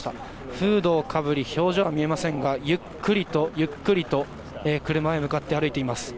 フードをかぶり表情は見えませんがゆっくりとゆっくりと車へ向かって歩いています。